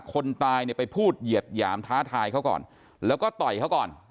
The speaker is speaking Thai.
คนตายเนี่ยไปพูดเหยียดหยามท้าทายเขาก่อนแล้วก็ต่อยเขาก่อน